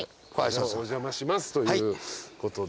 お邪魔しますということで。